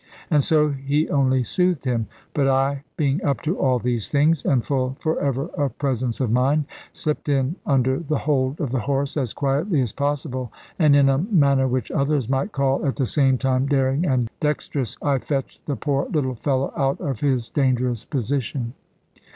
And so he only soothed him. But I, being up to all these things, and full for ever of presence of mind, slipped in under the hold of the horse, as quietly as possible, and in a manner which others might call at the same time daring and dexterous, I fetched the poor little fellow out of his dangerous position.